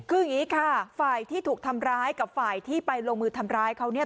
คืออย่างนี้ค่ะฝ่ายที่ถูกทำร้ายกับฝ่ายที่ไปลงมือทำร้ายเขาเนี่ย